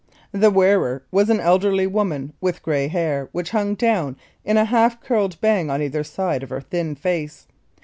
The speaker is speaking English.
The wearer was an elderly woman with gray hair which hung down in a half curled bang on either side of her thin face.